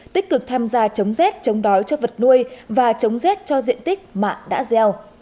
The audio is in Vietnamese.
tích cực tham gia chống rét chống đói cho vật nuôi và chống rét cho diện tích mạ đã gieo